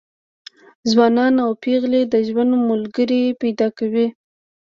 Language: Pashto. ځوانان او پېغلې د ژوند ملګري پیدا کوي.